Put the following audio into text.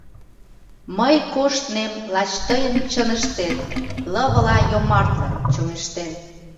Мый коштнем лач тыйын чыныштет Лывыла йомартлын чоҥештен.